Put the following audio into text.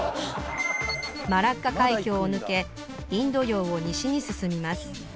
マラッカ海峡を抜けインド洋を西に進みます